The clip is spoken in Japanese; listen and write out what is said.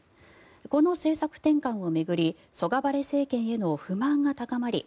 この政策転換を巡りソガバレ政権への不満が高まり